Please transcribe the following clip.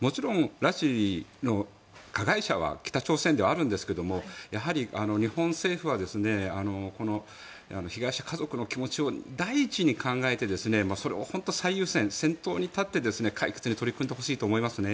もちろん拉致の加害者は北朝鮮ではあるんですがやはり日本政府はこの家族の気持ちを第一に考えてそれを本当に最優先に先頭に立って解決に取り組んでほしいと思いますね。